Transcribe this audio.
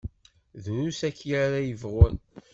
Drus akya ara yebɣun.